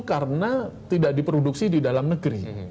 karena tidak diproduksi di dalam negeri